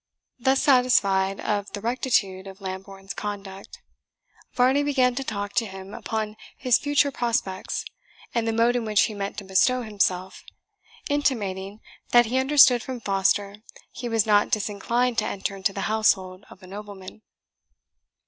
Thus satisfied of the rectitude of Lambourne's conduct, Varney began to talk to him upon his future prospects, and the mode in which he meant to bestow himself, intimating that he understood from Foster he was not disinclined to enter into the household of a nobleman.